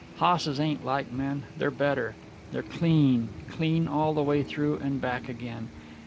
Hosses ain't like men. They're better. They're clean clean all the way through and back again.